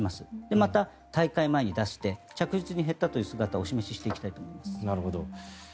また、大会前に出して着実に減ったという姿をお示ししていきたいと思います。